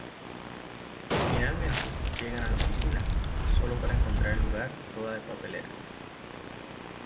Finalmente llegan a la oficina, sólo para encontrar el lugar toda de papelera.